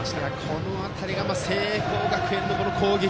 この辺りが聖光学院の攻撃。